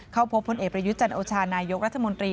เข้าพบพลเอกประยุทธ์จันโอชานายกรัฐมนตรี